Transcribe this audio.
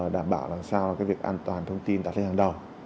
đảm bảo làm sao cái việc an toàn thông tin đặt lên hàng đầu